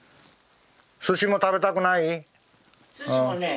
すしも食べたくない？